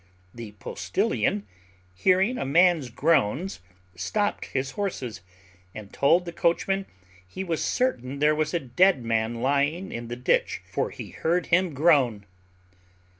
The postillion, hearing a man's groans, stopt his horses, and told the coachman he was certain there was a dead man lying in the ditch, for he heard him groan.